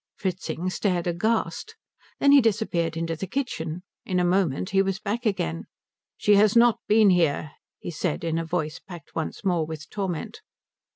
Fritzing stared aghast. Then he disappeared into the kitchen. In a moment he was back again. "She has not been here," he said, in a voice packed once more with torment.